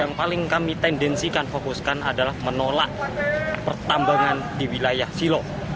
yang paling kami tendensikan fokuskan adalah menolak pertambangan di wilayah silo